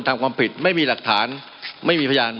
มันมีมาต่อเนื่องมีเหตุการณ์ที่ไม่เคยเกิดขึ้น